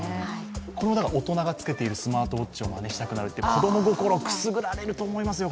これも大人が着けているスマートウォッチを真似したくなると子供心をくすぐられると思いますよ。